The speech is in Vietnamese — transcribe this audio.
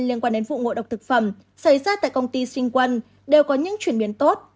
liên quan đến vụ ngộ độc thực phẩm xảy ra tại công ty sinh quân đều có những chuyển biến tốt